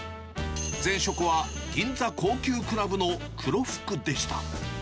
前職は銀座高級クラブの黒服でした。